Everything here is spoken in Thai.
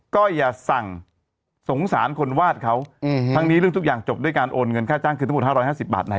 ก็อย่าสั่งสงสารคนวาดเขาทั้งนี้เรื่องทุกอย่างจบด้วยการโอนเงินค่าจ้างคือทั้งหมด๕๕๐บาทไหน